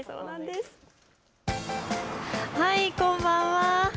はい、こんばんは。